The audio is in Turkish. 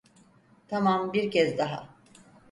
Tamam, bir kez daha.